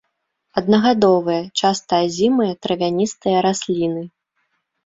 Аднагадовыя, часта азімыя травяністыя расліны.